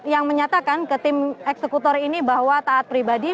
yang menyatakan ke tim eksekutor ini bahwa taat pribadi